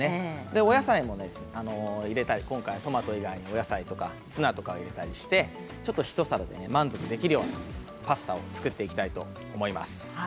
お野菜も入れたり今回はトマト以外にもお野菜とかツナを入れたりして一皿で満足できるようなパスタを作っていきたいと思います。